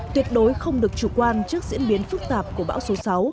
tuyệt đối không được chủ quan trước diễn biến phức tạp của bão số sáu